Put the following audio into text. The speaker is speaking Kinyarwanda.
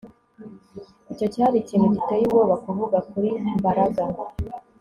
Icyo cyari ikintu giteye ubwoba kuvuga kuri Mbaraga